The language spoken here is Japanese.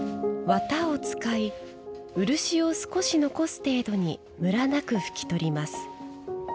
綿を使い、漆を少し残す程度にムラなく拭き取ります。